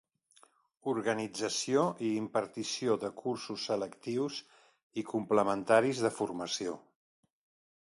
Organització i impartició de cursos selectius i complementaris de formació.